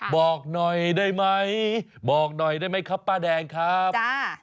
บอกหน่อยได้ไหมบอกหน่อยได้ไหมครับป้าแดงครับ